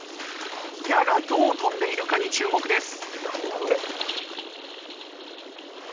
矢がどう飛んでいるかに注目です。